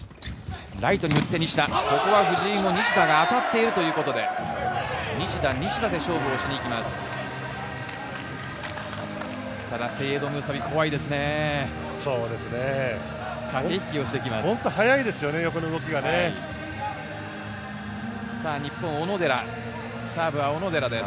ライトに振って西田、ここは藤井も西田が当たっているということで西田、西田で勝負をしに行きます。